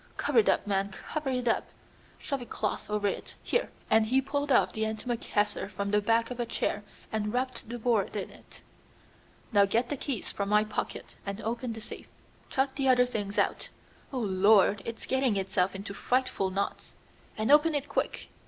Cover it up, man, cover it up! Shove a cloth over it! Here!" and he pulled off the antimacassar from the back of a chair and wrapped the board in it. "Now get the keys from my pocket and open the safe. Chuck the other things out. Oh, Lord, it's getting itself into frightful knots! and open it quick!"